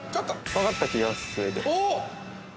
◆分かった気がする。